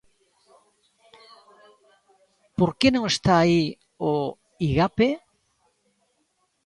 ¿Por que non está aí o Igape?